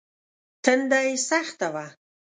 تنده يې سخته وه.